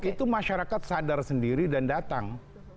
itu masyarakat sadar sendiri dan datang